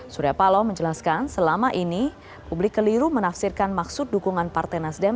surya paloh menjelaskan selama ini publik keliru menafsirkan maksud dukungan partai nasdem